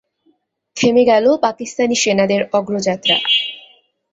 থেমে গেল পাকিস্তানি সেনাদের অগ্রযাত্রা।